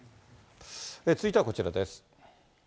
続いてはこちらです。